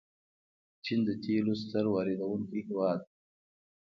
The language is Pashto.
چین د تیلو ستر واردونکی هیواد دی.